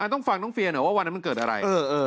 ต้องฟังน้องเฟียหน่อยว่าวันนั้นมันเกิดอะไร